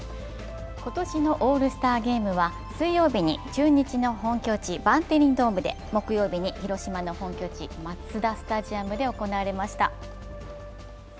今年のオールスターゲームは水曜日に中日の本拠地、バンテリンドームで木曜日に広島の本拠地、マツダスタジアムで行われました。